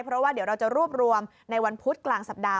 เพราะว่าเดี๋ยวเราจะรวบรวมในวันพุธกลางสัปดาห